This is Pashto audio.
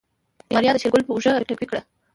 ماريا د شېرګل په اوږه ټپي کړه.